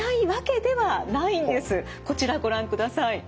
こちらご覧ください。